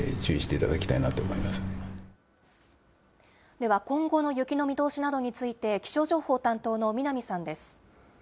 では、今後の雪の見通しなどについて、気象情報担当の南さんです。